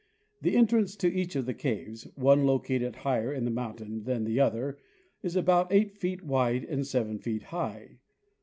The entrance to each of the caves, one located higher in the moun tain than the other, is about eight feet wide and seven feet high.